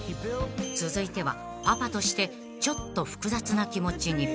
［続いてはパパとしてちょっと複雑な気持ちに］